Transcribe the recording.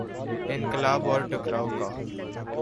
انقلاب اور ٹکراؤ کا۔